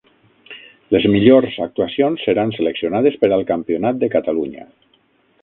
Les millors actuacions seran seleccionades per al campionat de Catalunya.